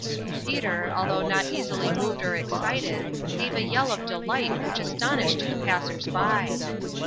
Peter, although not easily moved or excited, gave a yell of delight which astonished the passers by.